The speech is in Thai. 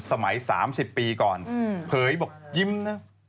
สมัย๓๐ปีก่อนเผยบอกยิ้มนะ